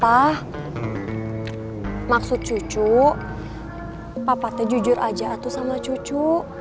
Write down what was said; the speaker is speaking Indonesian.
pak maksud cucu papa jujur aja sama cucu